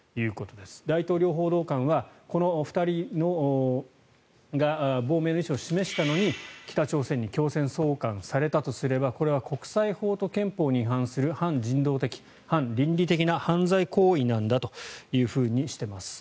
大統領報道官はこの２人が亡命の意思を示したのに北朝鮮に強制送還されたとすればこれは国際法と憲法に違反する反人道的、反倫理的な犯罪行為なんだとしています。